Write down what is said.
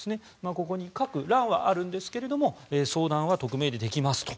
ここに書く欄はあるんですが相談は匿名でできますと。